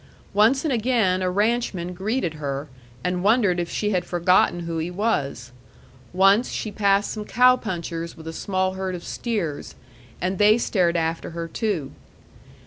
Once and again a ranchman greeted her, and wondered if she had forgotten who he was; once she passed some cow punchers with a small herd of steers, and they stared after her too.